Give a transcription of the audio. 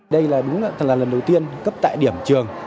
đây là đúng là lần đầu tiên cấp tại điểm trường